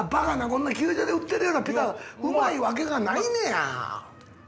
こんな球場で売ってるようなピザがうまいわけがないねや！